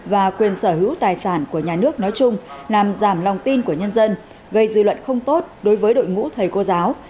và quyền sở hữu tài sản của nhà nước nói chung làm giảm lòng tin của nhân dân gây dư luận không tốt đối với đội ngũ thầy cô giáo